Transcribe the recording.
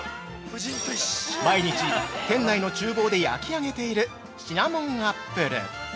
◆毎日、店内の厨房で焼き上げているシナモンアップル。